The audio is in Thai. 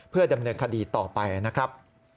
เพื่อดำเนินคดีต่อไปนะครับ